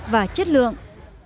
và chất lượng